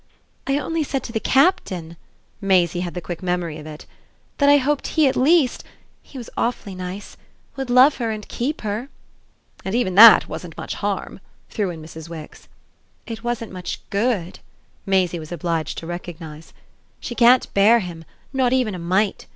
"I only said to the Captain" Maisie had the quick memory of it "that I hoped he at least (he was awfully nice!) would love her and keep her." "And even that wasn't much harm," threw in Mrs. Wix. "It wasn't much good," Maisie was obliged to recognise. "She can't bear him not even a mite.